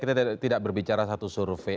kita tidak berbicara satu survei